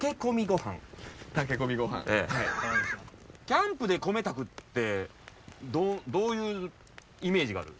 キャンプで米炊くってどういうイメージがある？